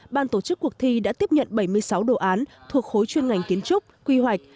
ban tổ chức cuộc thi đã tiếp nhận bảy mươi sáu đồ án thuộc khối chuyên ngành kiến trúc quy hoạch